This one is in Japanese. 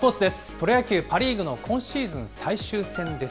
プロ野球パ・リーグの今シーズン最終戦です。